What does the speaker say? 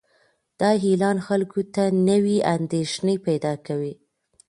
دا اعلان خلکو ته نوې اندېښنې پیدا کوي.